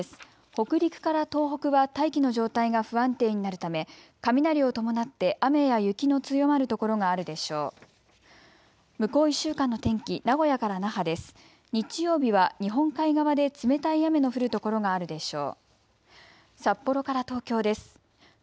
北陸から東北は大気の状態が不安定になるため雷を伴って雨や雪の強まる所があるでしょう。